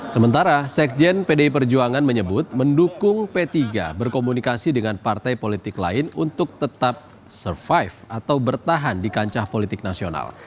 sementara sekjen pdi perjuangan menyebut mendukung p tiga berkomunikasi dengan partai politik lain untuk tetap survive atau bertahan di kancah politik nasional